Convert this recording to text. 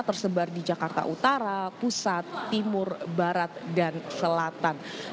tersebar di jakarta utara pusat timur barat dan selatan